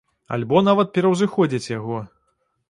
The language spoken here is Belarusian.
Альбо нават пераўзыходзяць яго.